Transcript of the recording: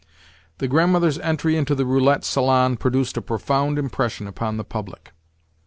The Grandmother's entry into the roulette salon produced a profound impression upon the public.